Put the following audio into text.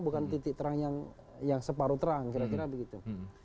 bukan titik terang yang separuh terang kira kira begitu